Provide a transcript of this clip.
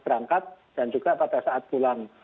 berangkat dan juga pada saat pulang